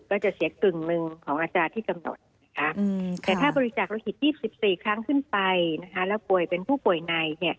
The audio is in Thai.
ก็จะเสียกึ่งหนึ่งของอาจารย์ที่กำหนดนะคะแต่ถ้าบริจาคโลหิต๒๔ครั้งขึ้นไปแล้วป่วยเป็นผู้ป่วยใน